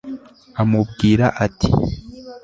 amubwira ati